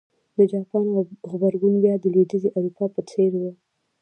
د جاپان غبرګون بیا د لوېدیځې اروپا په څېر و.